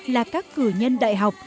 là các cử nhân đại học